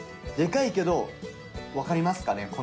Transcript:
でかいけどわかりますかね？